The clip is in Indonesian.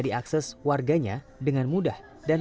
diakses warganya dengan mudah dan